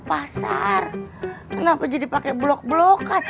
pasar kenapa jadi pakai blok blokan